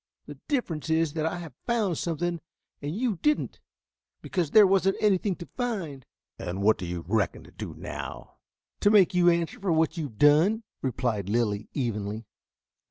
The difference is that I have found something and you didn't, because there wasn't anything to find." "And what do you reckon to do now?" "To make you answer for what you have done," replied Lilly evenly.